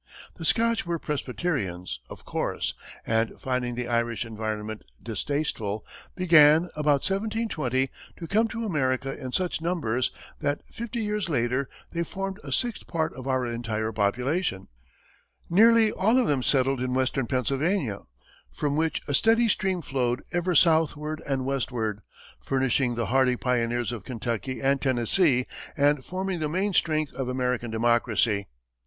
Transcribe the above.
The Scotch were Presbyterians, of course, and finding the Irish environment distasteful, began, about 1720, to come to America in such numbers that, fifty years later, they formed a sixth part of our entire population. Nearly all of them settled in Western Pennsylvania, from which a steady stream flowed ever southward and westward, furnishing the hardy pioneers of Kentucky and Tennessee, and forming the main strength of American democracy.